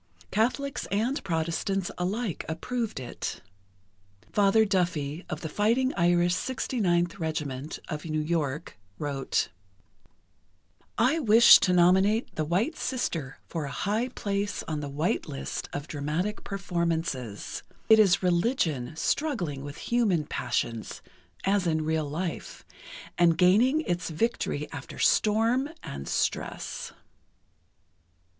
Catholics and Protestants alike approved it. Father Duffy, of the Fighting Irish 69th Regiment, of New York, wrote: I wish to nominate "The White Sister" for a high place on the White List of dramatic performances.... It is religion struggling with human passions, as in real life, and gaining its victory after storm and stress.